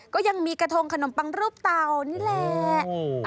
ก็ยังมีกระทงขนมปังรูปเต่านี่แหละ